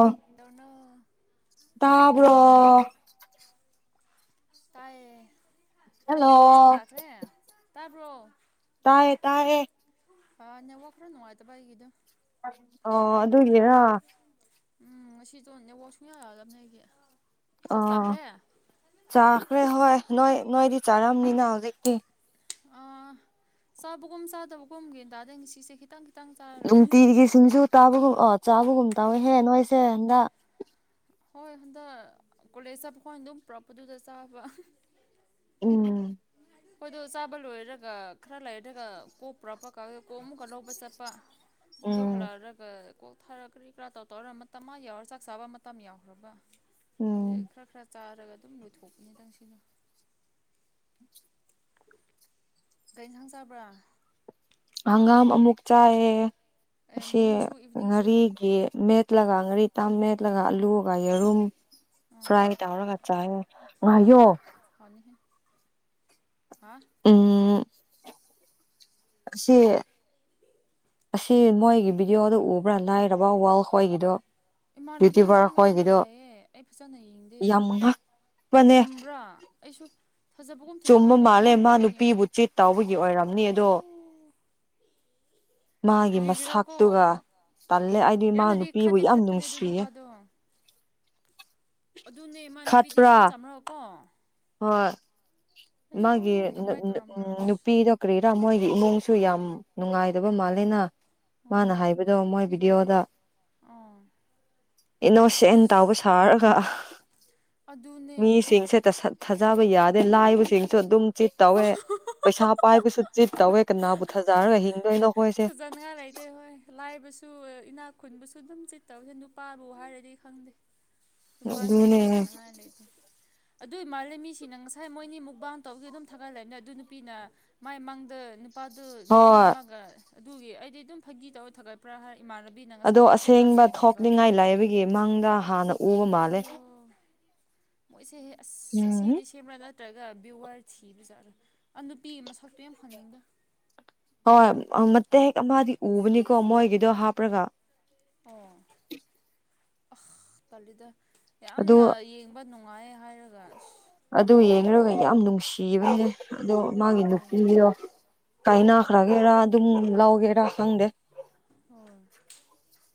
ꯑ ꯀꯩꯗꯧꯔꯤꯅꯣ ꯇꯥꯕ꯭ꯔꯣ ꯇꯥꯏꯌꯦ ꯆꯥꯛ ꯍꯜꯂꯣ ꯆꯥꯈ꯭ꯔꯦ ꯇꯥꯕ꯭ꯔꯣ ꯇꯥꯌꯦꯦ ꯇꯥꯋꯦ ꯍꯥ ꯅ ꯋꯥꯄꯔꯅꯅꯨꯡꯉꯥꯏꯠꯇꯥꯏ ꯀꯗꯣ ꯑꯣ ꯑꯗꯨꯒꯤꯦꯔ ꯎꯝ ꯉꯁꯤꯗꯣꯅꯦꯕ ꯁꯨꯡꯌꯥ ꯌꯥꯒꯗꯕꯅꯦ ꯑꯩꯁꯦ ꯑꯣ ꯆꯥꯈ꯭ꯔꯦ ꯍꯣꯏ ꯅꯣꯏ ꯅꯣꯏꯗꯤ ꯆꯥꯔꯝꯅꯤꯅ ꯍꯧꯖꯤꯛꯇꯤ ꯑ ꯁꯕ ꯍꯒꯨꯝ ꯁꯥꯗ ꯍꯒꯨꯝꯒꯦꯗꯥꯗꯒꯦ ꯆꯤꯁꯦ ꯈꯈꯤꯇꯪꯈꯤ ꯅꯨꯡꯇꯤꯒꯤ ꯁꯤꯡꯖꯨ ꯇꯥꯕꯒꯨꯝ ꯑꯣ ꯆꯥꯕꯒꯨꯝ ꯇꯥꯋꯦ ꯍꯦ ꯅꯣꯏꯁꯦ ꯍꯟꯗꯛ ꯍꯣꯏ ꯍꯟꯗꯛ ꯀꯣꯂꯦꯖ ꯆꯄ ꯈ ꯑꯗꯨꯝ ꯄꯨꯔꯛꯄꯗꯨꯗ ꯆꯥꯕ ꯎꯝ ꯍꯣꯏꯗꯣ ꯆꯥꯕ ꯂꯣꯏꯔꯒ ꯈꯔ ꯂꯩꯔꯦꯔꯒ ꯀꯣꯛ ꯄꯨꯔꯥ ꯄꯀ ꯀꯣꯛ ꯑꯃꯨꯛꯀ ꯂꯧꯕ ꯆꯠꯄ ꯗꯣ ꯎꯝ ꯍꯂꯔꯒꯣ ꯊꯥꯔꯛꯈ꯭ꯔꯤ ꯀꯔꯥ ꯇꯧ ꯇꯧꯔ ꯃꯇꯝ ꯑꯃ ꯌꯥꯎꯔ ꯆꯥꯛ ꯆꯥꯕ ꯃꯇꯝ ꯌꯥꯎꯈ꯭ꯔꯕ ꯎꯝ ꯑ ꯈꯔ ꯈꯔ ꯆꯥꯔꯒ ꯑꯗꯨꯝ ꯂꯣꯏꯊꯣꯛꯄꯅꯤꯗꯪ ꯁꯤꯅ ꯒꯩ ꯏꯟꯁꯥꯡ ꯆꯥꯕ꯭ꯔꯥ ꯍꯪꯒꯥꯝ ꯑꯃꯨꯛ ꯆꯥꯏꯌꯦ ꯑꯦ ꯉꯁꯤ ꯃꯣꯔꯅꯤꯡꯁꯨ ꯏꯚꯤꯅꯤꯡꯁꯨ ꯉꯥꯔꯤꯒꯤ ꯃꯦꯠ ꯂꯒ ꯉꯔꯤ ꯇꯪ ꯃꯦꯠꯂꯒ ꯑꯂꯨꯒ ꯌꯦꯔꯨꯝ ꯑꯥ ꯐ꯭ꯔꯥꯏ ꯇꯧꯔꯒ ꯆꯥꯏꯌꯦ ꯉꯥꯏꯌꯣ ꯑꯁ ꯍꯥꯎꯅꯤꯍꯦ ꯍꯥ ꯎꯝ ꯑꯁꯤ ꯑꯁꯤ ꯃꯣꯏꯒꯤ ꯕꯤꯗꯤꯑꯣꯗ ꯎꯕ꯭ꯔꯥ ꯂꯥꯏꯔꯕ ꯋꯥꯜ ꯍꯣꯏꯒꯤꯗꯣ ꯏꯃꯥꯟꯅꯕꯤ ꯉꯁꯥꯏ ꯉꯥꯡꯔꯒ ꯂꯩꯌꯦ ꯑꯩ ꯐꯖꯅ ꯌꯦꯡꯗꯦ ꯌꯥꯝ ꯉꯛꯄꯅꯦ ꯆꯨꯝꯕ꯭ꯔꯥ ꯑꯩꯁꯨ ꯐꯖꯕꯒꯨꯝ ꯆꯨꯝꯕ ꯐꯖꯗꯕꯗꯣ ꯃꯥꯜꯂꯦ ꯃꯥꯅ ꯃꯥ ꯚꯤꯗꯤꯑꯣ ꯌꯦꯡꯔ ꯅꯨꯄꯤꯕꯨ ꯆꯤꯠ ꯇꯧꯕꯒꯤ ꯑꯣꯏꯔꯝꯅꯤ ꯑꯗꯣ ꯃꯥꯒꯤ ꯀ꯭ꯔꯤꯒꯤꯔꯥꯀꯣ ꯃꯁꯛꯇꯨꯒ ꯇꯜꯂꯦ ꯑꯩꯗꯤ ꯃꯥ ꯌꯥꯝꯅꯗꯤ ꯅꯨꯄꯤꯕꯨ ꯈꯠꯇꯤ ꯌꯥꯝ ꯈꯠꯄꯅꯦ ꯑꯗꯨ ꯅꯨꯡꯁꯤꯌꯦ ꯅꯨꯄꯥꯗꯣ ꯑꯗꯨꯅꯦ ꯃꯥ ꯅꯨꯄꯤꯗꯤ ꯏꯆꯝ ꯆꯝꯃꯒꯀꯣ ꯍꫭꯏ ꯃꯥꯒꯤ ꯅ ꯀꯃꯥꯏꯅ ꯅ ꯇꯧꯔꯝꯕ꯭ꯔꯥ ꯑꯁ ꯅꯨꯄꯤꯗꫭ ꯀꯔꯤꯔ ꯃꯣꯏ ꯗꯤ ꯏꯃꯨꯡꯁꯨ ꯌꯥꯝ ꯅꯨꯡꯉꯥꯏꯗꯕ ꯃꯥꯜꯂꯤꯅ ꯑꯣ ꯃꯥꯅ ꯍꯥꯏꯕꯗꫭ ꯃꯣꯏ ꯕꯤꯗꯤꯑꯣꯗ ꯑꯣ ꯏꯅꯣꯁꯦꯟ ꯑꯁ ꯇꯥꯎꯕ ꯁꯥꯔꯒ ꯑ ꯑꯗꯨꯅꯦ ꯃꯤꯁꯤꯡꯁꯦ ꯇꯁꯠ ꯊꯥꯖꯕ ꯌꯥꯗꯦ ꯂꯥꯏꯕꯁꯤꯡꯁꯨ ꯑꯗꯨꯝ ꯆꯤꯠ ꯇꯧꯋꯦ ꯄꯩꯁꯥ ꯄꯥꯏꯕꯁꯨ ꯆꯤꯠ ꯇꯧꯋꯦ ꯀꯅꯥꯕꯨꯊꯖꯔ ꯍꯤꯡꯗꯣꯏꯅꯣ ꯑꯩꯈꯣꯏꯁꯦ ꯐꯖꯅꯤꯡꯉꯥꯏ ꯂꯩꯇꯦ ꯍꯣꯏ ꯂꯥꯏꯕꯁꯨ ꯑ ꯏꯅꯥꯛ ꯈꯨꯟꯕꯁꯨ ꯑꯗꯨꯝ ꯆꯤꯠꯇꯧꯕꯁꯦ ꯅꯨꯄꯥꯕꯨ ꯍꯥꯏꯔꯗꯤ ꯈꯪꯗꯦ ꯅꯨꯄꯥꯁꯦ ꯊꯥꯖꯅ ꯑꯗꯨꯅꯦ ꯅꯤꯡꯉꯥꯏ ꯂꯩꯇꯦ ꯑꯗꯨꯏ ꯃꯥꯜꯂꯦ ꯃꯤꯁꯤꯡꯅ ꯉꯁꯥꯏ ꯃꯣꯏꯅꯤ ꯃꯨꯛꯕꯥꯡ ꯇꯧꯕꯒꯤ ꯑꯗꯨꯝ ꯊꯥꯒꯠꯂꯩꯕꯅꯦ ꯑꯗꯨ ꯅꯨꯄꯤꯅ ꯃꯥꯏ ꯃꯥꯡꯗ ꯅꯨ ꯅꯨꯄꯥꯗꯨ ꯅꯨꯄꯤ ꯍꯣꯏ ꯑꯃꯒ ꯑꯗꯨꯒꯤ ꯑꯩꯗꯤ ꯑꯗꯨꯝ ꯐꯥꯒꯤ ꯇꯧꯔ ꯊꯥꯒꯠꯄ꯭ꯔꯥ ꯍꯥꯏ ꯏꯃꯥꯟꯅꯕꯤꯅ ꯉꯁꯥꯏ ꯑꯗꯣ ꯃꯥ ꯁ꯭ꯇꯦꯇꯥꯁꯇ ꯑꯁꯦꯡꯕ ꯌꯦꯡꯍꯟꯕ ꯊꯣꯛꯅꯤꯡꯉꯥꯏ ꯂꯥꯏꯕꯒꯤ ꯃꯪꯗ ꯍꯥꯟꯅ ꯎꯕ ꯃꯥꯜꯂꯦ ꯑꯩꯌꯣ ꯃꯣꯏꯁꯦ ꯑꯁ ꯎꯝ ꯑꯁꯤꯅꯤ ꯁꯦꯝꯕ꯭ꯔ ꯅꯠ ꯏꯔꯒ ꯕꯤꯋ꯭ꯔ ꯊꯤꯕ ꯖꯥꯠꯂ ꯑꯗꯨ ꯅꯨꯄꯤ ꯃꯁꯛꯇꯨ ꯌꯥꯝ ꯐꯅꯤꯡꯗꯦ ꯍꯣꯏ ꯎꯝ ꯃꯇꯦꯛ ꯑꯃꯗꯤ ꯎꯕꯅꯤꯀꯣ ꯃꯣꯏꯒꯤꯗꯣ ꯍꯥꯞꯄ꯭ꯔꯒ ꯑꯣ ꯑꯁ‌ ꯇꯜꯂꯤꯗ ꯑꯗꯨ ꯌꯥꯝꯅ ꯌꯦꯡꯕ ꯅꯨꯡꯉꯥꯏꯌꯦ ꯍꯥꯏꯔꯒ ꯑꯁ ꯑꯗꯨ ꯌꯦꯡꯂꯨꯔꯒ ꯌꯥꯝ ꯅꯨꯡꯁꯤꯕꯅꯦ ꯑꯗꯣ ꯃꯥꯒꯤ ꯑꯣ ꯅꯨꯄꯤꯗꯣ ꯎꯝ ꯀꯥꯏꯅꯈ꯭ꯔꯒꯦꯔꯥ ꯑꯗꯨꯝ ꯂꯧꯒꯦꯔꯥ ꯈꯪꯗꯦ ꯍꯣꯏ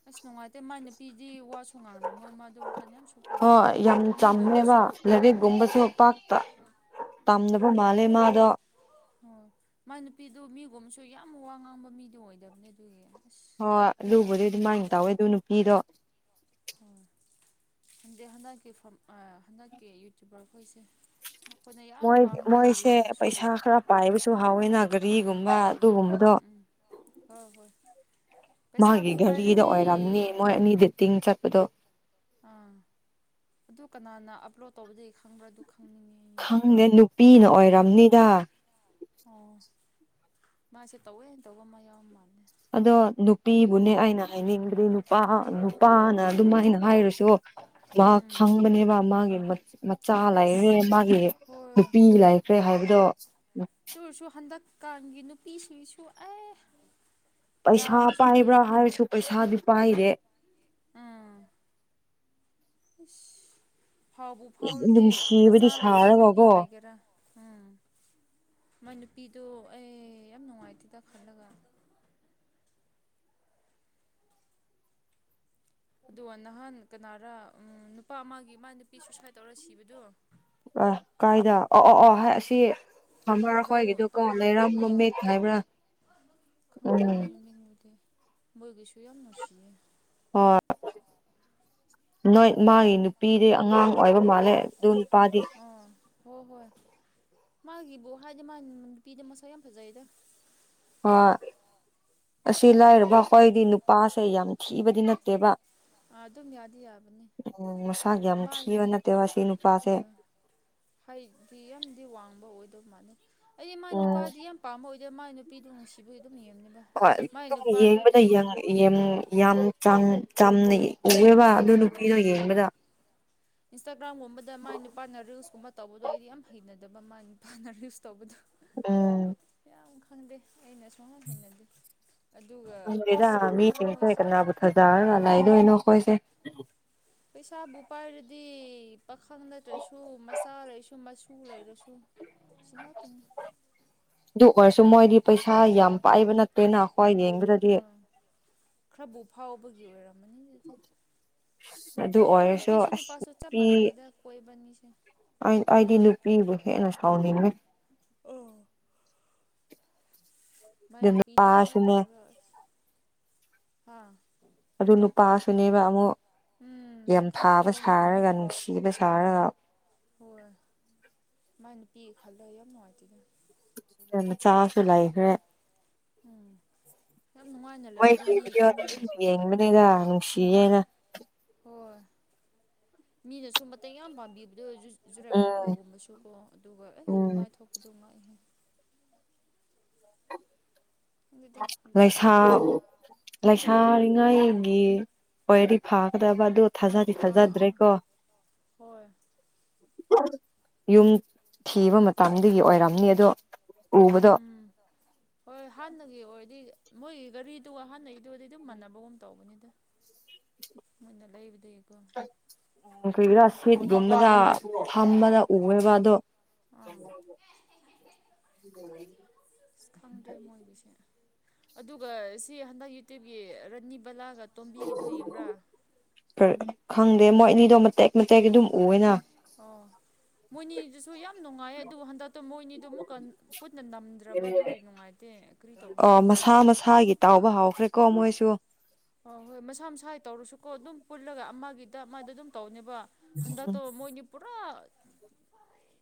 ꯑꯁ ꯅꯨꯡꯉꯥꯏꯇꯦ ꯃꯥꯏ ꯅꯨꯄꯤꯗꯤ ꯋꯥꯁꯨ ꯉꯥꯡꯔꯝꯃꯣꯏ ꯃꯗꯨ ꯍꯣꯏ ꯌꯥꯝ ꯆꯝꯃꯦꯕ ꯂꯥꯏꯔꯤꯛꯒꯨꯝꯕꯁꯨ ꯄꯥꯛꯇ ꯇꯝꯗꯕ ꯃꯥꯜꯂꯦ ꯃꯥꯗꯣ ꯑꯣ ꯃꯥꯏ‌ ꯅꯨꯄꯤꯗꯨ ꯃꯤꯒꯨꯝꯁꯨ ꯌꯥꯝ ꯋꯥ ꯉꯥꯡꯕ ꯃꯤꯗꯤ ꯑꯣꯏꯗꯕꯅꯦ ꯑꯗꯨꯒꯤ ꯑꯁ ꯍꯣꯏ ꯑꯗꯨꯕꯨꯗꯤ ꯑꯗꯨꯝ ꯃꯥꯏ ꯒ꯭ꯌꯥꯟ ꯇꯧꯋꯦ ꯇꯥꯗꯦ ꯑꯗꯨ ꯅꯨꯄꯤꯗꯣ ꯍꯣꯏ ꯈꯪꯗꯦ ꯍꯟꯗꯛꯀꯤ ꯐꯝ ꯑ ꯍꯟꯗꯛꯀꯤ ꯌꯨꯇꯨꯕꯔ ꯑꯩꯈꯣꯏꯁꯦ ꯃꯣꯏ ꯃꯣꯏꯁꯦ ꯄꯩꯁꯥ ꯈꯔ ꯄꯥꯏꯕꯁꯨ ꯍꯧꯋꯤꯅ ꯒꯔꯤ ꯑꯃ ꯑꯗꯨꯒꯨꯝꯕꯗꯣ ꯎꯝ ꯎꯝ ꯍꯣꯏ ꯍꯣꯏ ꯃꯥꯒꯤ ꯄꯩꯁꯥꯕꯨ ꯒꯔꯤꯗ ꯄꯥꯏꯔꯗꯤ ꯑꯣꯏꯔꯝꯅꯤ ꯃꯣꯏ ꯑꯅꯤ ꯗꯦꯇꯤꯡ ꯆꯠꯄꯗꯣ ꯑꯥ ꯑꯗꯨ ꯀꯅꯥꯅ ꯑꯞꯂꯣꯠ ꯇꯧꯕꯗꯩ ꯈꯪꯕ꯭ꯔ ꯑꯗꯨ ꯈꯪꯅꯤꯡꯉꯤ ꯈꯪꯗꯦ ꯅꯨꯄꯤꯅ ꯑꯣꯏꯔꯝꯅꯤꯗ ꯑꯣ ꯃꯥꯁꯦ ꯇꯧꯋꯦ ꯇꯧꯕꯃ ꯌꯥꯎ ꯃꯥꯜꯂꯦ ꯑꯗꯣ ꯅꯨꯄꯤꯕꯨꯅꯦ ꯑꯩꯅ ꯍꯥꯏꯅꯤꯕꯗꯤ ꯅꯨ ꯅꯨꯄꯥ ꯅꯨꯄꯥꯅ ꯍꯣꯏ ꯑꯗꯨꯃꯥꯏꯅ ꯍꯥꯏꯔꯁꯨ ꯃꯥ ꯎꯝ ꯈꯪꯕꯅꯦꯕ ꯃꯥꯒꯤ ꯃꯠ ꯃꯠ ꯆꯥ ꯂꯩꯔꯦ ꯑꯁ ꯃꯥꯒꯤ ꯍꯣꯏ ꯅꯨꯄꯤ ꯂꯩꯈ꯭ꯔꯦ ꯍꯥꯏꯕꯗꯣ ꯑꯗꯨ ꯑꯣꯏꯔꯁꯨ ꯍꯟꯗꯛꯀꯥꯟꯒꯤ ꯅꯨꯄꯤꯁꯤꯡꯁꯨ ꯑꯦ ꯄꯩꯁꯥ ꯌꯥꯕꯁꯨ ꯄꯥꯏꯕ꯭ꯔꯥ ꯂꯩꯕꯅꯦ ꯍꯥꯏꯔꯁꯨ ꯄꯩꯁꯥꯗꯤ ꯄꯥꯏꯗꯦ ꯑꯁ ꯐꯥꯎꯕꯨ ꯌꯥꯝ ꯐꯥꯎꯔꯗꯤ ꯃꯆꯥ ꯅꯨꯡꯁꯤꯕꯗꯤ ꯂꯩꯒꯦꯔꯥ ꯅꯨꯄꯤ ꯁꯥꯔꯒꯀꯣ ꯂꯩꯒꯦꯔꯥ ꯎꯝ ꯃꯥꯏ ꯅꯨꯄꯤꯗꯣ ꯑꯦ ꯌꯥꯝ ꯅꯨꯡꯉꯥꯏꯇꯦꯗ ꯈꯜꯂꯒ ꯑꯗꯣ ꯅꯍꯥꯟ ꯀꯅꯥꯔ ꯅꯨꯄꯥ ꯑꯃꯒꯤ ꯃꯥ ꯅꯨꯄꯤ ꯁꯨꯏꯁꯥꯏꯠ ꯇꯧꯔ ꯁꯤꯕꯗꯣ ꯑ ꯀꯥꯏꯗ ꯑꯣ ꯑꯣ ꯑꯣ ꯍꯥꯏ ꯑꯁꯤ ꯐꯃꯔ ꯂꯧ ꯈ꯭ꯋꯥꯏꯒꯤꯗꯨꯀꯣ ꯇꯧꯕ ꯍꯣꯠꯅ ꯂꯩꯔꯥꯝ ꯑꯥ ꯃꯃꯤꯠ ꯍꯥꯏꯕ꯭ꯔꯥ ꯈꯪꯗꯦ ꯎꯝ ꯃꯣꯏ ꯃꯤꯡꯕꯨꯗꯤ ꯃꯣꯏꯒꯤꯁꯨ ꯌꯥꯝ ꯅꯨꯡꯁꯤꯌꯦ ꯍꯣꯏ ꯅꯣꯏ ꯃꯥꯒꯤ ꯈꯜꯂꯤ ꯅꯨꯄꯤꯗꯤ ꯑꯉꯥꯡ ꯑꯣꯏꯕ ꯃꯥꯜꯂꯦ ꯑꯗꯨ ꯅꯨꯄꯥꯗꯤ ꯑ ꯍꯣꯏ ꯍꯣꯏ ꯃꯥꯒꯤꯕꯨ ꯍꯥꯏꯗꯤ ꯃꯥ ꯅꯨꯄꯤꯗ ꯃꯁꯥ ꯌꯥꯝ ꯐꯖꯩꯗ ꯑ ꯑꯁꯤ ꯂꯥꯏꯔꯕ ꯑꯩꯈꯣꯏꯗꯤ ꯅꯨꯄꯥꯁꯦ ꯌꯥꯝ ꯊꯤꯕꯗꯤ ꯅꯠꯇꯦꯕ ꯑꯥ ꯑꯗꯨꯝ ꯌꯥꯗꯤ ꯌꯥꯕꯅꯤ ꯎꯝ ꯃꯁꯥꯒꯤ ꯌꯥꯝ ꯊꯤꯕ ꯃꯥꯒꯤ ꯅꯠꯇꯦꯕ ꯁꯤ ꯅꯨꯄꯥꯁꯦ ꯍꯣꯏ ꯍꯥꯏꯗꯤ ꯌꯥꯝꯗꯤ ꯋꯥꯡꯕ ꯑꯣꯏꯗ ꯑꯗꯨ ꯃꯥ ꯑꯩ ꯃꯥꯏ ꯎꯝ ꯅꯨꯄꯥꯗꯤ ꯌꯥꯝ ꯄꯥꯝꯕ ꯑꯣꯏꯗ ꯃ ꯃꯥꯥꯏ ꯅꯨꯄꯤꯗꯨ ꯅꯨꯡꯁꯤꯕ ꯍꯣꯏ ꯑꯗꯨꯝ ꯌꯦꯡꯕꯗ ꯌꯥꯝꯥꯡ ꯆꯥꯅ ꯎꯋꯦꯕ ꯑꯗꯨ ꯍꯣꯏ ꯅꯨꯄꯤꯅꯣ ꯍꯣꯏ ꯌꯦꯡꯕꯗ ꯏꯟꯁꯇꯥꯒ꯭ꯔꯥꯝꯒꯨꯝꯕꯗ ꯃꯥꯏ ꯅꯨꯄꯥꯅ ꯔꯤꯜꯁꯀꯨꯝꯕ ꯇꯧꯕꯗꯣ ꯑꯩꯗꯤ ꯌꯥꯝ ꯍꯩꯅꯗꯕ ꯃꯥꯏ ꯅꯨꯄꯥꯅ ꯔꯤꯜꯁ ꯇꯧꯕꯗꯣ ꯎꯝ ꯌꯥꯝ ꯈꯪꯗꯦ ꯑꯩꯅ ꯁꯨꯡꯍꯟ ꯍꯅꯗꯤꯦ ꯪꯗꯦꯗ ꯃꯤ ꯆꯤꯡ ꯊ ꯀꯅꯥꯕꯨ ꯊꯖꯥꯔ ꯂꯏ ꯂꯣꯏꯅꯣꯈꯣꯏꯁꯦ ꯄꯩꯁꯥꯕꯨ ꯄꯥꯏꯔꯗꯤ ꯄꯥꯈꯪ ꯂꯩꯠꯇ꯭ꯔꯁꯨ ꯃꯆꯥ ꯂꯩꯔꯁꯨ ꯃꯆꯁꯨ ꯂꯩꯔꯁꯨ ꯁꯉ ꯇꯅꯤ ꯁꯨꯝ ꯃꯣꯏꯗꯤ ꯄꯩꯁꯥ ꯌꯥꯝ ꯄꯥꯏꯕ ꯅꯠꯇꯦꯅ ꯑꯩꯈꯣꯏ ꯌꯦꯡꯕꯗꯗꯤ ꯑ ꯐꯥꯎꯕꯒꯤ ꯑꯣꯏꯔꯝꯃꯅꯤ ꯑꯗꯨꯗꯤ ꯑꯗꯨ ꯅꯠꯇ꯭ꯔꯒ ꯑ ꯑꯣꯏꯔꯁꯨ ꯅꯨꯄꯤꯁꯨ ꯑꯁ ꯅꯨꯄꯥꯁꯨ ꯆꯞ ꯅꯨꯄꯤ ꯃꯥꯟꯅꯩꯗ ꯀꯣꯏꯕꯅꯤꯁꯦ ꯑꯩꯗꯤ ꯅꯨꯄꯤꯕꯨ ꯍꯦꯟꯅ ꯁꯥꯎꯅꯤꯡꯉꯦ ꯑꯣ ꯃꯥꯏ ꯑꯗꯨ ꯅꯨꯄꯤꯗꯨ ꯀꯃꯥꯏꯅ ꯅꯨꯄꯥꯁꯨꯅꯦ ꯇꯧꯒꯔꯁ ꯍꯥꯥ ꯑꯗꯨ ꯅꯨꯄꯥꯁꯨꯅꯦꯕ ꯑꯃꯨꯛ ꯎꯝ ꯌꯥꯝꯊꯥꯕ ꯈꯠꯄꯗꯣ ꯁꯥꯔꯒ ꯅꯨꯡꯁꯤꯕ ꯁꯥꯔꯒ ꯍꯣꯏ ꯃꯥ ꯅꯨ ꯄꯤꯒꯦ ꯈꯜꯂ ꯌꯥꯝ ꯅꯨꯡꯉꯥꯏꯇꯦꯗ ꯆꯥꯁꯨ ꯂꯥꯏꯈ꯭ꯔꯦ ꯎꯝ ꯌꯥꯝ ꯅꯨꯡꯉꯥꯏꯅ ꯂꯩꯕꯗꯣ ꯃꯣꯏꯒꯤ ꯃꯤ ꯏꯃꯨꯡ ꯀꯔꯤ ꯊꯨꯡꯉꯥꯏꯕ꯭ꯔꯥ ꯌꯦꯡꯕꯅꯤꯗ ꯈꯪ ꯅꯨꯡꯁꯤꯌꯦꯦꯅ ꯃꯤꯅ ꯁꯨꯝ ꯃꯇ ꯌꯥꯝ ꯄꯥꯝꯕꯤꯕꯗꯣ ꯖꯨꯔꯦꯛ ꯎꯝ ꯋꯥꯡꯈꯣꯏꯒꯨꯝꯕꯁꯨ ꯀꯣ ꯑꯗꯨꯒ ꯑꯩ ꯑꯗꯨ ꯎꯝ ꯃꯥꯏꯊꯣꯛꯄꯗꯣ ꯉꯥꯏꯍꯦ ꯈꯪꯗꯦꯗ ꯌꯨꯇ꯭ꯌꯨꯕꯔ ꯂꯩꯥꯏꯁꯥ ꯈꯣꯏꯁꯦ ꯂꯩꯥꯏꯁꯥ ꯄꯣꯏꯔꯤ ꯐꯥꯀꯗꯕ ꯑꯗꯨ ꯊꯥꯖꯗꯤ ꯑꯥ ꯑꯥ ꯊꯥꯖꯗ꯭ꯔꯦꯀꯣ ꯍꯣꯏ ꯌꯨꯝ ꯊꯤꯕ ꯃꯇꯗꯒꯤ ꯑꯣꯏꯔꯝꯅꯤ ꯑꯗꯣ ꯎꯕꯗꯣ ꯎꯝ ꯍꯣꯏ ꯍꯥꯟꯅ ꯑꯣ ꯑꯣꯏꯔꯗꯤ ꯃꯣꯏꯒꯤ ꯒꯥꯔꯤꯗꯨꯒ ꯑꯍꯥꯟꯩꯗꯨꯗꯤ ꯑꯗꯨꯝ ꯃꯥꯟꯅꯕꯒꯨꯝ ꯇꯧꯕꯅꯤꯗ ꯃꯅ ꯂꯩꯕꯗ ꯀꯩꯒꯤꯔꯥ ꯁꯠꯒꯨꯝꯕꯗ ꯐꯝꯕꯗ ꯎꯋꯦꯕ ꯑꯗꯣ ꯑꯥ [unintelligible] ꯑ ꯈꯪꯗ꯭ꯔꯦ ꯃꯣꯏꯒꯤꯁꯦ ꯑꯗꯨꯒ ꯁꯤ ꯍꯟꯗꯛ ꯌꯨꯇ꯭ꯌꯨꯕꯀꯤ ꯔꯥꯅꯤ ꯕꯂꯥꯒ ꯇꯣꯝꯕꯤꯒꯤꯗꯨꯣ ꯌꯦꯡꯕ꯭ꯔꯥ ꯈꯪꯗꯦ ꯃꯣꯏ ꯑꯅꯤꯗꯣ ꯃꯇꯦꯛ ꯃꯇꯦꯛ ꯑꯗꯨꯝ ꯎꯑꯦꯅ ꯑꯣ ꯃꯣꯏꯅꯤꯁꯨ ꯌꯥ ꯌꯥꯝ ꯅꯨꯡꯉꯥꯏꯌꯦ ꯑꯗꯨꯕꯨ ꯍꯟꯗꯛꯇꯣ ꯃꯣꯏꯅꯤꯗꯨ ꯑꯃꯨꯛꯀ ꯄꯨꯟꯅ ꯅꯝꯗ꯭ꯔꯕꯗꯨꯒꯤ ꯅꯨꯡꯉꯥꯏꯇꯦ ꯀꯔꯤ ꯑ ꯇꯧꯈ꯭ꯔꯕ꯭ꯔꯥ ꯈ ꯃꯁꯥ ꯃꯁꯥꯒꯤ ꯇꯥꯎꯕ ꯍꯥꯎꯈ꯭ꯔꯦ ꯁꯨ ꯑꯣ ꯍꯣꯏ ꯃꯁꯥ ꯃꯁꯥꯒꯤ ꯇꯧꯔꯁꯨꯀꯣ ꯑꯗꯨꯝ ꯄꯨꯜꯂꯒ ꯑꯃꯒꯤꯗ ꯃꯥꯗ ꯑꯗꯨꯝ ꯇꯧꯅꯦꯕ ꯍꯟꯗ ꯇꯣ ꯃꯣꯏꯅꯤ ꯄꯨꯔꯥ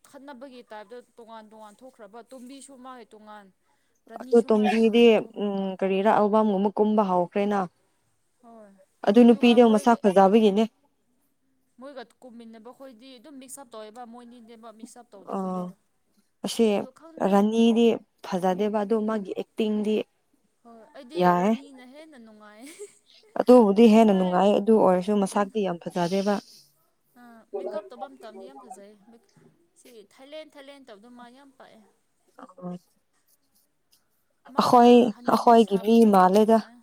ꯈꯠꯅꯕꯒꯤ ꯇꯥꯏꯞꯇ ꯇꯣꯉꯥꯟ ꯇꯣꯉꯥꯟ ꯊꯣꯛꯈ꯭ꯔꯕ ꯇꯨꯝꯕꯤꯁꯨ ꯃꯥꯒꯤ ꯇꯣꯉꯥꯟ ꯑꯗꯣ ꯔꯥꯅꯤꯁꯨ ꯃꯥꯏ ꯇꯣꯝꯕꯤꯗꯤ ꯇꯣꯉꯥꯟꯅ ꯎꯝ ꯊꯣꯛꯈ꯭ꯔꯕ ꯀꯔꯤꯔꯥ ꯑꯜꯕꯝꯒꯨꯝꯕ ꯀꯨꯝꯕ ꯍꯧꯈ꯭ꯔꯦꯅ ꯍꯣꯏ ꯑꯗꯨ ꯑꯗꯨꯒ ꯅꯨꯄꯤꯅꯦ ꯑꯃꯨ ꯃꯣꯏ ꯃꯁꯥ ꯈꯖꯥꯕꯒꯤꯅꯦ ꯃꯣꯏꯒ ꯀꯨꯝꯃꯤꯟꯅꯕ ꯑꯩꯈꯣꯏꯗꯤ ꯑꯗꯨꯝ ꯃꯤꯛꯁ ꯑꯞ ꯇꯧꯋꯦꯕ ꯃꯣꯏꯅꯤꯅꯦꯕ ꯄꯤꯛꯤꯁꯞ ꯑ ꯇꯧꯗꯕꯗꯣ ꯑꯁꯤ ꯑꯗꯨ ꯈꯪꯗꯦ ꯔꯥꯅꯤꯗꯤ ꯐꯖꯗꯦꯕ ꯑꯗꯨꯗ ꯃꯥꯒꯤ ꯑꯦꯛꯇꯤꯡꯗꯤ ꯍꯣꯏ ꯑꯩꯗꯤ ꯌꯥꯏ ꯔꯥꯅꯤꯅ ꯍꯦꯟꯅ ꯅꯨꯡꯥꯏ ꯑꯗꯨꯕꯨꯗꯤ ꯍꯦꯟꯅ ꯅꯨꯡꯉꯥꯏ ꯑꯗꯨ ꯑꯣꯏꯔꯁꯨ ꯍꯟ ꯃꯁꯥꯇꯤ ꯌꯥꯝ ꯐꯖꯗꯦꯕ ꯃꯦꯀꯞ ꯇꯧꯕ ꯃꯇꯝꯗꯤ ꯌꯥꯝ ꯐꯖꯩ ꯁꯤ ꯊꯥꯏꯂꯦꯟ ꯊꯥꯂꯦꯟ ꯇꯧꯗꯣ ꯃꯥ ꯌꯥꯝ ꯄꯥꯛꯑꯦ ꯑ ꯑꯣ ꯃꯥꯅ ꯍꯅꯨꯕꯤ ꯑꯩꯈꯣꯏꯒꯤ ꯃꯤ ꯁꯥꯕꯗꯨ ꯃꯥꯜꯂꯦꯗ ꯅꯨꯡꯉꯥꯏ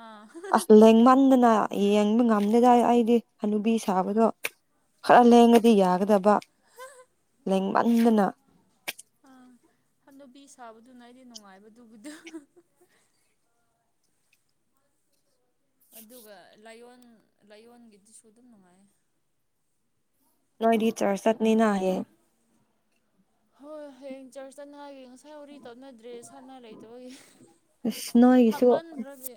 ꯑꯥ ꯑꯁ ꯂꯦꯡꯃꯟꯗꯅ ꯌꯦꯡꯕ ꯉꯝꯗꯦꯗꯥꯏ ꯑꯩꯗꯤ ꯍꯅꯕꯤ ꯁꯥꯕꯗꯣ ꯈꯔ ꯑꯣ ꯂꯦꯡꯒꯗꯤ ꯌꯥꯒꯗꯕ ꯂꯦꯡꯃꯟꯗꯅ ꯑꯥ ꯍꯅꯕꯤ ꯁꯥꯕꯗꯨꯅ ꯑꯩꯗꯤ ꯅꯨꯡꯉꯥꯏꯕꯗꯨꯕꯨꯗ ꯑꯗꯨꯒ ꯂꯥꯏꯌꯣꯟ ꯂꯥꯏꯌꯣꯟꯒꯤꯗꯨꯁꯨ ꯑꯗꯨꯝ ꯅꯨꯡꯉꯥꯏ ꯅ ꯇꯗꯤ ꯆꯔ ꯆꯠꯅꯤꯅ ꯍꯥꯏ ꯍꯣꯏ ꯍ ꯆꯔ ꯆꯅ ꯁꯔꯤ ꯇꯧꯅꯗ꯭ꯔꯦ ꯁꯥꯟꯅꯥ ꯂꯩꯇꯕꯒꯤ ꯑꯁ ꯅꯣꯏꯒꯤꯁꯨ ꯍꯥꯝꯃꯟꯈ꯭ꯔꯗꯤ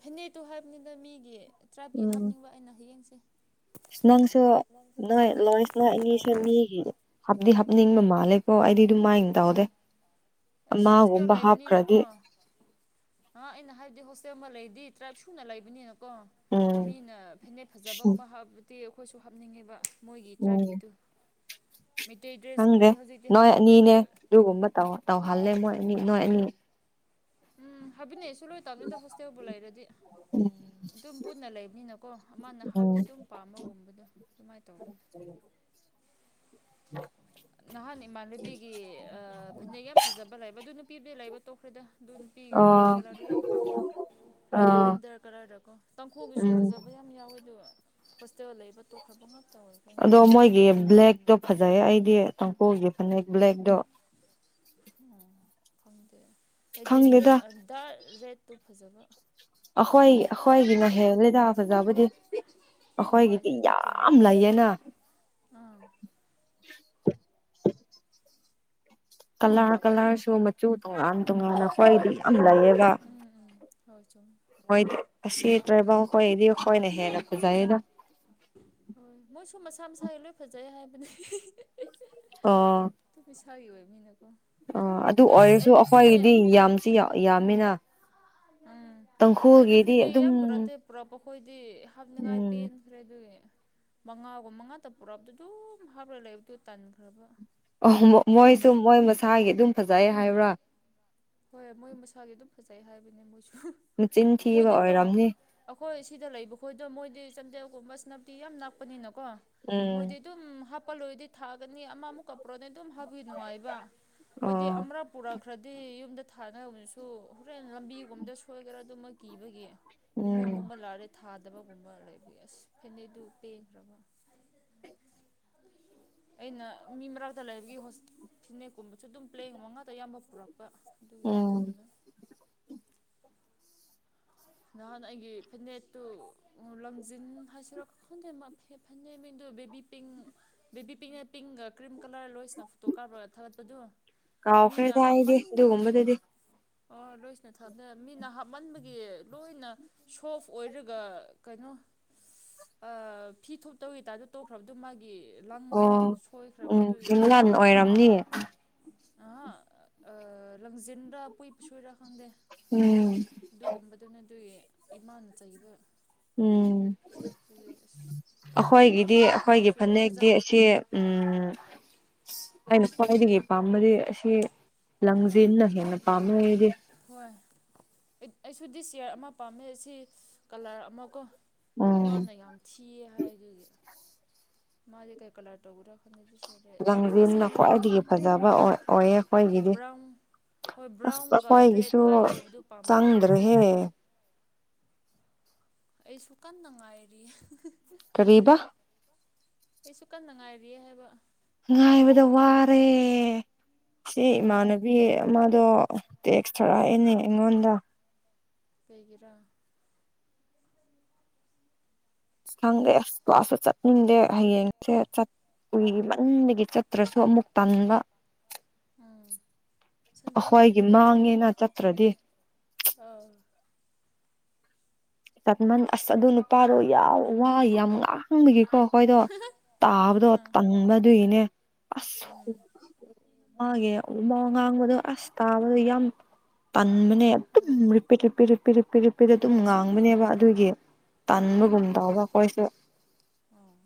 ꯐꯦꯅꯦꯠꯇꯣ ꯍꯥꯏꯕꯅꯤꯅ ꯃꯤꯒꯤ ꯇ꯭ꯔꯥꯏꯞꯀꯤ ꯎꯝ ꯍꯥꯞꯅꯤꯡꯕ ꯑꯩꯅ ꯍꯌꯦꯡꯁꯦ ꯅꯪꯁꯨ ꯅꯣꯏ ꯂꯣꯏꯁ ꯅ ꯏꯅꯤꯁꯨꯦ ꯃꯤꯒꯤ ꯍꯥꯞꯗꯤ ꯍꯥꯞꯅꯤꯡꯕ ꯃꯥꯜꯂꯦꯀꯣ ꯑꯩꯗꯤ ꯑꯗꯨꯝ ꯃꯥꯏꯅ ꯇꯧꯍꯗꯦ ꯑꯩꯁ ꯍꯣꯁꯇꯦꯜ ꯂꯩꯕꯅꯤꯅꯀꯣ ꯑ ꯑꯩꯅ ꯍꯥꯏꯕꯗꯤ ꯍ ꯆꯦ ꯑꯃ ꯂꯩꯗꯤ ꯇ꯭ꯔꯥꯞ ꯁꯨꯅ ꯂꯩꯕꯅꯤꯅꯀꯣ ꯎꯝ ꯃꯤꯅ ꯐꯅꯦꯛ ꯐꯖꯕꯒꯨꯝꯕ ꯇꯤ ꯑꯩꯈꯣꯏꯁꯨ ꯍꯥꯞꯅꯤꯡꯉꯦꯕ ꯃꯣꯏꯒꯤ ꯎꯝ ꯇ꯭ꯔꯥꯏꯕꯀꯤꯗꯨ ꯈꯪꯗꯦ ꯅꯣꯏ ꯍꯥꯞꯅꯤꯡꯗ꯭ꯔꯦ ꯑꯅꯤꯅꯦ ꯑꯗꯨ ꯑꯗꯨꯒꯨꯝꯕ ꯇꯧꯍꯜꯂꯦ ꯃꯣꯏ ꯑꯅꯤ ꯅꯣꯏ ꯑꯅꯤ ꯎꯝ ꯍꯥꯏꯕꯤꯅꯦ ꯑꯩꯁꯨ ꯂꯣꯏ ꯇꯧꯕꯅꯤꯗ ꯍꯁꯇꯦꯧꯕ ꯂꯩꯔꯗꯤ ꯑꯗꯨꯝ ꯄꯨꯟꯅ ꯂꯩꯕꯅꯤꯅꯀꯣ ꯑꯃꯅ ꯎꯝ ꯍꯥꯞꯗꯤ ꯑꯗꯨꯝ ꯄꯥꯝꯕꯒꯨꯝꯕꯗꯣ ꯑꯗꯨꯃꯥꯏꯅ ꯇꯧꯕꯅꯤ [inaudible] [inaudible] ꯅꯍꯥꯟ ꯏꯃꯥꯟꯅꯕꯤꯒꯤ ꯐꯅꯦꯛ ꯌꯥꯝ ꯐꯖꯕ ꯂꯩꯕ ꯑꯗꯨ ꯅꯨꯄꯤꯕꯨꯗꯤ ꯂꯩꯕ ꯇꯣꯛ ꯑꯩꯈꯣꯏꯗ ꯑꯗꯨ ꯅꯨꯄꯤꯤꯒꯨꯝꯕ ꯑꯣ ꯀꯂꯔꯗꯨ ꯌꯥꯝ ꯄꯥꯝꯕ꯭ꯔ ꯑꯥ ꯂꯦꯚꯦꯟꯗꯔ ꯀꯂꯔꯗꯀꯣ ꯇꯥꯡꯈꯨꯒꯤꯁꯨ ꯎꯝ ꯐꯖꯕ ꯌꯥꯝ ꯌꯥꯎꯋꯦ ꯑꯗꯨꯒ ꯑꯗꯣ ꯍꯟꯗꯛꯇꯤ ꯃꯣꯏꯒꯤ ꯕ꯭ꯂꯦꯛꯇꯣ ꯐꯖꯩꯌꯦ ꯑꯩꯗꯤ ꯇꯀꯣ ꯌꯦ ꯐꯅ ꯑꯦꯕꯂꯦꯛꯗꯣ ꯎꯝ ꯈꯪꯗꯦ ꯈꯪꯗꯦꯗ ꯍꯥꯏꯗꯤꯔ ꯔꯦꯠꯇꯨ ꯐꯖꯕ ꯑꯩꯈ꯭ꯋꯥꯣꯏ ꯑꯩꯈ꯭ꯋꯥꯣꯏꯒꯤꯅꯍꯦ ꯂꯩꯗꯥ ꯐꯖꯕꯨꯗꯤ ꯍꯣꯏ ꯑꯩꯈꯣꯏꯒꯤꯗꯤ ꯑꯗꯨꯗꯤ ꯆꯨꯝꯃꯤ ꯌꯥꯝ ꯂꯩꯌꯦꯅ [inaudible] ꯑꯥ ꯀꯂꯔ ꯀꯂꯔꯁꯨ ꯃꯆꯨ ꯇꯣꯉꯥꯟ ꯇꯣꯉꯥꯟꯅ ꯑꯩꯈꯣꯏꯗꯤ ꯌꯥꯝ ꯂꯩꯌꯦꯕ ꯎꯝ ꯎꯝ ꯍꯣꯏ ꯆꯨꯝ ꯍꯣꯏ ꯁꯤ ꯇꯥꯏꯕ ꯀꯣꯏ ꯑꯦꯗꯤꯈꯣꯏꯅꯍꯦꯅꯣꯖꯥꯏꯅ ꯍꯣꯏ ꯃꯣꯏꯁꯨ ꯃꯁꯥ ꯃꯁꯥꯒꯤ ꯂꯣꯏ ꯐꯖꯩ ꯍꯥꯏꯕꯅꯤ ꯑꯥ ꯊ ꯑꯣꯏ ꯃꯤꯅ ꯑ ꯑꯗꯨ ꯑꯣꯏꯔꯁꯨ ꯑꯩꯈꯣꯏꯒꯤꯗꯤ ꯌꯥꯝꯁꯤ ꯌꯥꯝꯃꯤꯅ ꯎꯝ ꯑꯩꯗꯨ ꯇꯥꯡꯈꯨꯜꯒꯤꯗꯤ ꯐꯤꯅꯦꯛ ꯑꯗꯨꯝ ꯏꯌꯥꯝ ꯄꯨꯔꯛꯇꯦ ꯄꯨꯔꯛꯄꯈꯣꯏꯗꯤ ꯍꯥꯞꯅꯤꯡꯉꯥꯏ ꯎꯝ ꯄꯦꯟꯈ꯭ꯔꯦ ꯑꯗꯨꯒꯤ ꯃꯉꯥꯒꯨꯝ ꯃꯉꯥꯗ ꯄꯨꯔꯛꯑꯕꯗ ꯑꯗꯨꯝ ꯍꯥꯞꯂꯒ ꯂꯩꯕꯗꯨ ꯇꯟꯈ꯭ꯔꯕ ꯑꯣ ꯃꯣꯏꯁꯨ ꯃꯣꯏ ꯃꯁꯥꯒꯤ ꯑꯗꯨꯝ ꯐꯖꯩ ꯍꯥꯏꯕ꯭ꯔꯥ ꯍꯣꯏ ꯃꯣꯏ ꯃꯁꯥꯒꯤ ꯑꯗꯨꯝ ꯐꯖꯩ ꯍꯥꯏꯕꯅꯦ ꯃꯣꯏꯁꯨ ꯃꯆꯤꯟ ꯊꯤꯕ ꯃꯣꯏꯗꯤꯀꯣ ꯑꯣꯏꯔꯝꯅꯤ ꯑꯩꯈꯣꯏ ꯑꯁꯤꯗ ꯂꯩꯕ ꯈꯣꯏꯗꯣ ꯃꯣꯏꯗꯤ ꯆꯟꯗꯦꯜꯒꯨꯝꯕ ꯁꯦꯅ ꯄꯇꯤ ꯌꯥꯝ ꯅꯛꯄꯅꯤꯅꯀꯣ ꯎꯝ ꯃꯣꯏꯗꯤ ꯑꯗꯨꯝ ꯍꯥꯞꯄꯜꯂꯣꯏꯔꯗꯤ ꯊꯥꯒꯅꯤ ꯑꯃꯃꯨꯛ ꯀꯝꯄ꯭ꯔꯣꯗ ꯑꯗꯨꯝ ꯍꯥꯞꯕꯤ ꯅꯨꯡꯉꯥꯏꯕ ꯑꯩꯈꯣꯏꯗꯤ ꯑꯣ ꯑꯃꯔꯛ ꯄꯨꯔꯛꯈ꯭ꯔꯗꯤ ꯌꯨꯝꯗ ꯊꯥꯅꯕꯁꯨ ꯍꯣꯔꯦꯟ ꯂꯝꯕꯤꯒꯨꯝꯕꯗ ꯁꯣꯏꯈꯔꯥ ꯑꯗꯨꯃ ꯀꯤꯕꯒꯤ ꯎꯝ ꯏꯃꯨꯡ ꯑꯃ ꯂꯥꯔꯦ ꯊꯥꯗ ꯗꯕꯒꯨꯝꯕ ꯂꯩꯕ ꯑꯁ ꯐꯦꯅꯩꯗꯨ ꯄꯦꯟꯈ꯭ꯔꯕ ꯑꯩꯅ ꯃꯤ ꯃꯔꯛꯇ ꯂꯩꯕꯒꯤ ꯍꯣ ꯐꯤꯅꯦꯛꯀꯨꯝꯕꯁꯨ ꯑꯗꯨꯝ ꯄ꯭ꯂꯦꯒ ꯃꯉꯥꯗ ꯑꯌꯥꯝꯕ ꯄꯨꯔꯛꯄ ꯑꯗꯨꯒꯤ ꯎꯝ ꯇꯜꯂꯦ ꯅꯍꯥꯟ ꯑꯩꯒꯤ ꯐꯅꯦꯠꯇꯨ ꯂꯝꯖꯤꯟ ꯍꯥꯏꯁꯤꯔꯣ ꯈꯪꯗꯦ ꯐꯅꯦꯛ ꯃꯤꯗꯨ ꯕꯦꯕꯤ ꯄꯤꯡ ꯕꯦꯕꯤ ꯄꯤꯡ ꯑꯦ ꯄꯤꯡꯒ ꯀ꯭ꯔꯤꯝ ꯀꯂꯔ ꯂꯣꯏꯁꯤꯅ ꯐꯣꯇꯣ ꯀꯥꯞꯄꯒ ꯊꯥꯒꯠꯄꯗꯨ ꯃꯤꯅ ꯀꯥꯎꯈ꯭ꯔꯦꯗ ꯑꯩꯗꯤ ꯍꯥꯞꯃꯟ ꯑꯗꯨꯒꯨꯝꯕꯗꯨꯗꯤ ꯑꯣ ꯂꯣꯏꯁꯤꯅ ꯊꯞꯅ ꯃꯤꯅ ꯍꯥꯞꯃꯟꯕꯒꯤ ꯂꯣꯏꯅ ꯁꯣꯐ ꯑꯣꯏꯔꯒ ꯀꯩꯅꯣ ꯎ ꯐꯤ ꯊꯨꯞꯇꯧꯒꯤ ꯇꯔꯗꯣ ꯇꯣꯛꯈ꯭ꯔꯕꯗꯣ ꯃꯥꯒꯤ ꯂꯪꯗꯣ ꯑꯣ ꯁꯣꯏꯈ꯭ꯔꯕ ꯎꯝ ꯀ ꯂꯥꯟ ꯑꯣꯏꯔꯝꯅꯤ ꯑ ꯑ ꯂꯪꯖꯦꯟꯔ ꯄꯨꯏ ꯄꯁꯨꯨꯏꯔ ꯈꯪꯗꯦ ꯎꯝ ꯑꯗꯨꯒꯨꯝꯕꯗꯨꯅ ꯑꯗꯨꯒꯤ ꯏꯃꯥꯅ ꯆꯩꯕ ꯎꯝ ꯑꯗꯨꯒꯤ ꯑꯁ ꯑꯩꯈꯣꯏꯒꯤꯗꯤ ꯈꯪꯗꯦ ꯑꯩꯈꯣꯏꯒꯤ ꯐꯅꯦꯛꯁꯨ ꯐꯖ ꯐꯅꯛꯗꯤ ꯑꯁꯤ ꯎꯝ ꯑꯩꯅ ꯈ꯭ꯋꯥꯏꯗꯒꯤ ꯄꯥꯝꯕꯗꯤ ꯑꯁꯤ ꯎꯝ ꯂꯪꯖꯦꯅ ꯍꯦꯟꯅ ꯄꯥꯝꯃꯗꯤ ꯍꯣꯏ ꯑꯩꯁꯨꯗꯤ ꯁꯤꯌꯥꯔ ꯑꯃ ꯄꯥꯝꯃꯦ ꯑꯁꯤ ꯀꯂꯔ ꯑꯃ ꯀꯣ ꯎꯝ ꯏꯃꯥꯅꯌꯥꯝ ꯊꯤ ꯊꯤꯌꯦ ꯍꯥꯏꯗꯨꯒꯤ ꯃꯥꯒꯤ ꯀꯩ ꯀꯂꯥꯔ ꯇꯧꯕꯔꯥ ꯈꯟꯗꯗꯤ ꯁꯤ ꯂꯥꯡꯖꯤꯟꯅ ꯈ꯭ꯋꯥꯏꯗꯒꯤ ꯐꯖꯕ ꯑꯣꯏꯌꯦ ꯑꯩꯈꯣꯏꯒꯤꯗꯤ ꯕ꯭ꯔꯥꯎꯟ ꯍꯣꯏ ꯕ꯭ꯥꯎꯟꯒ ꯔꯦꯠ ꯇꯣ ꯂꯥꯏꯠ ꯑꯣꯏꯕꯗꯨ ꯄꯥꯝꯕ ꯆꯥꯡꯗ꯭ꯔꯦ ꯍꯦ ꯑꯩꯁꯨꯨ ꯀꯥꯟꯅꯉꯥꯏꯔꯤ ꯀꯔꯤꯕꯥ ꯑꯩꯁꯨ ꯀꯟꯅ ꯉꯥꯏꯔꯤꯌꯦ ꯍꯥꯏꯕ ꯉꯥꯏꯕꯗ ꯋꯥꯔꯦ ꯁꯤ ꯎꯝ ꯏꯃꯥꯟꯅꯕꯤ ꯑꯝꯗꯣ ꯑꯗꯣ ꯇꯦꯛꯁ ꯊꯔꯛꯑꯦꯅꯦ ꯑꯩꯉꯣꯟꯗ ꯀꯩꯒꯤꯔꯥ ꯑꯁ ꯈꯪꯗꯦ ꯑꯁ ꯀ꯭ꯂꯥꯁꯁꯨ ꯆꯠꯅꯤꯡꯗꯦ ꯍꯌꯦꯡꯁꯦ ꯆꯠ ꯎꯨꯏ ꯃꯟꯕꯒꯤ ꯆꯠꯇ꯭ꯔꯁꯨ ꯑꯃꯨꯛ ꯇꯟꯕ ꯎꯝ ꯁꯟꯗꯦ ꯉꯠꯇꯕꯨ ꯑꯩꯈꯣꯏꯒꯤ ꯑꯗꯨꯝ ꯆꯂꯨꯗ ꯃꯥꯡꯉꯦꯅ ꯆꯠꯇ꯭ꯔꯗꯤ ꯑꯥꯎ ꯆꯠꯃꯟ ꯑꯁ ꯑꯗꯨ ꯅꯨꯄꯥꯗꯣ ꯌꯥꯝ ꯋꯥꯏ ꯌꯥꯝ ꯉꯥꯡꯕꯒꯤ ꯀꯣ ꯑꯩꯈꯣꯏꯗꯣ ꯇꯥꯕꯗꯣ ꯑꯥ ꯇꯟꯕꯗꯨꯒꯤꯅꯦ ꯑꯁ ꯎꯝ ꯃꯥꯒꯤ ꯋꯥ ꯉꯥꯡꯕꯗꯣ ꯑꯁ ꯇꯥꯕꯗꯣ ꯌꯥꯝ ꯇꯟ ꯃꯟꯕꯅꯦ ꯑꯗꯨꯝ ꯎꯝ repeat repeat repeat repeat repeat ꯑꯗꯨꯝ ꯕꯣꯔꯤꯡ ꯉꯥꯡ ꯆꯨꯕ꯭ꯔꯣ ꯕꯅꯦꯕ ꯑꯗꯨꯒꯤ ꯇꯕꯒꯨꯝ ꯎꯝ ꯇꯧꯕ ꯑꯩꯈꯣꯏꯁꯨ ꯑꯣ